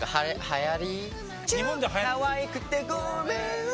かわいくてごめん。